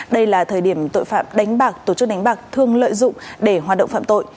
đây là thời điểm tội phạm đánh bạc tổ chức đánh bạc thường lợi dụng để hoạt động phạm tội